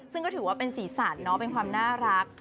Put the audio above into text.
ซึ่งก็ถือว่าเป็นสีสันเป็นความน่ารัก